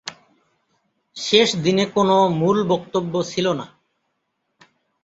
শেষ দিনে কোনও মূল বক্তব্য ছিল না।